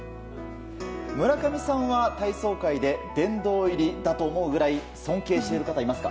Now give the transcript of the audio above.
村上さんは体操界で殿堂入りだと思うくらい尊敬している方はいますか？